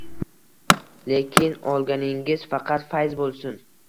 Lekin olganingiz faqat fayz bo’lsin